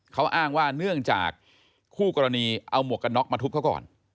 เขาอ้างว่าเนื่องจากคู่กรณีเอาหมวกกันน็อกมาทุบเขาก่อน